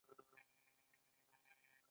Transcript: د کندهار په دامان کې د مرمرو نښې شته.